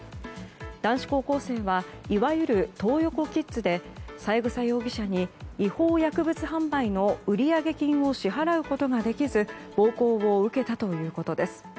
男子高校生はいわゆるトー横キッズで三枝容疑者に違法薬物販売の売上金を支払うことができず暴行を受けたということです。